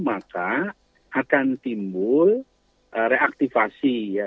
maka akan timbul reaktivasi ya